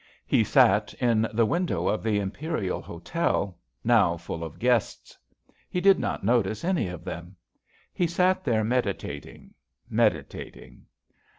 He sat in the window of the Imperial Hotel, now full of guests. He did not notice any of them. He sat there meditating^, meditating.